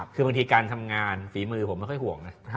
คือบางทีการทำงานฝีมือผมไม่ค่อยห่วงนะ